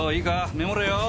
メモれよー！